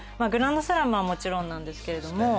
グランドスラムはもちろんなんですけど。